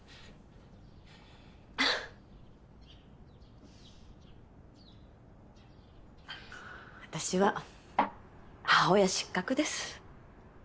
あたしは母親失格です。